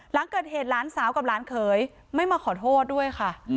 หลังเกิดเหตุหลานสาวกับหลานเขยไม่มาขอโทษด้วยค่ะ